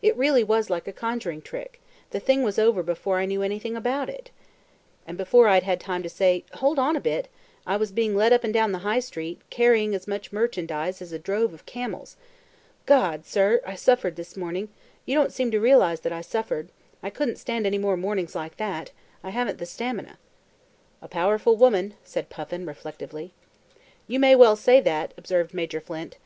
It really was like a conjuring trick; the thing was done before I knew anything about it. And before I'd had time to say, 'Hold on a bit,' I was being led up and down the High Street, carrying as much merchandize as a drove of camels. God, sir, I suffered this morning; you don't seem to realize that I suffered; I couldn't stand any more mornings like that: I haven't the stamina." "A powerful woman," said Puffin reflectively. "You may well say that," observed Major Flint.